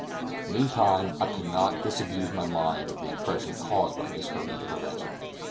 Meantime, I could not disabuse my mind of the impression caused by Miss Herbey's intervention.